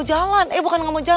mama tadi nelfon boi ya